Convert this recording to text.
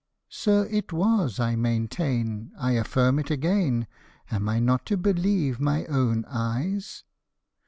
*'" Sir, it was, I maintain ; I affirm it again ; Am I not to believe my own eyes